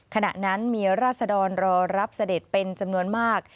ขณะนั้นมีราศดรรอรับเสด็จเป็นจำนวนมาก